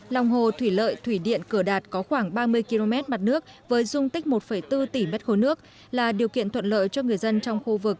lòng hồ thủy lợi thủy điện cửa đạt có khoảng ba mươi km mặt nước với dung tích một bốn tỷ m ba nước là điều kiện thuận lợi cho người dân trong khu vực